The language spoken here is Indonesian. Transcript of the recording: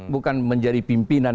bukan menjadi pimpinan